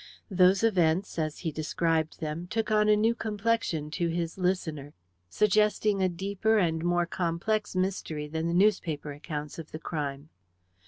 Those events, as he described them, took on a new complexion to his listener, suggesting a deeper and more complex mystery than the newspaper accounts of the crime.